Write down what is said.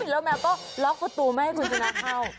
แล้วแมวก็ล็อกประตูไม่ให้คุณชนะเข้า